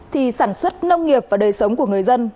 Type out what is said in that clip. thì sản xuất nông nghiệp và đời sống của người dân